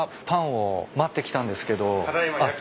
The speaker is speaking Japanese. パンを待って来たんですけど。